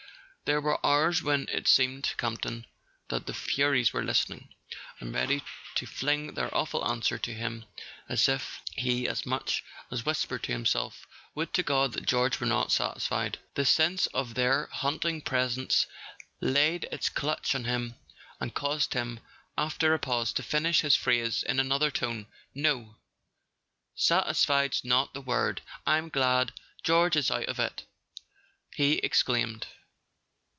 There were hours when it seemed to Campton that the Furies were listening, and ready to fling their awful answer to him if he as much as whispered to himself: "Would to God that George were not satisfied!" The sense of their haunting presence laid its clutch on him, and caused him, after a pause, to finish his phrase in another tone. "No; satisfied's not the word; I'm glad George is out of it! " he exclaimed.